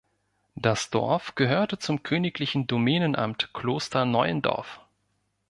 Das Dorf gehörte zum Königlichen Domänenamt Kloster Neuendorf.